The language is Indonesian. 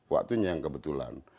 waktunya yang kebetulan